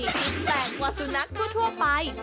คุณซูอาสำหรับพฤติกรรมการฉี่ฉิ๊กแปลงวอสุนักทั่วไป